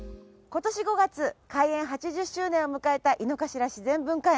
今年５月開園８０周年を迎えた井の頭自然文化園。